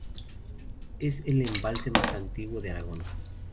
Es el embalse más antiguo de Aragón.